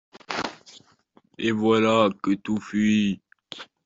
Et voilà que tout fuit!